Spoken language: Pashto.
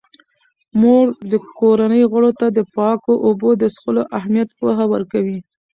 مور د کورنۍ غړو ته د پاکو اوبو د څښلو اهمیت پوهه ورکوي.